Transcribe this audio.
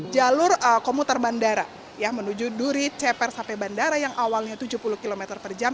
jalur komuter bandara menuju duri ceper sampai bandara yang awalnya tujuh puluh km per jam